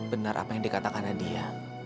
benar apa yang dikatakan nadia